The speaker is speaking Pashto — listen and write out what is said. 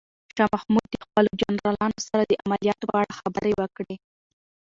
شاه محمود د خپلو جنرالانو سره د عملیاتو په اړه خبرې وکړې.